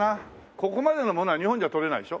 ここまでの物は日本じゃとれないでしょ？